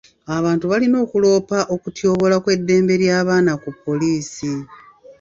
Abantu balina okuloopa okutyoboola kw'eddembe ly'abaana ku poliisi.